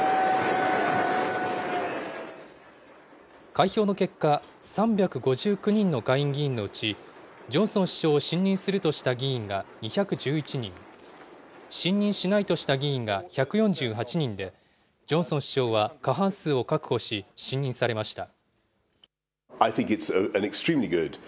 開票の結果、３５９人の下院議員のうち、ジョンソン首相を信任するとした議員が２１１人、信任しないとした議員が１４８人で、ジョンソン首相は過半数を確保し、信任されました。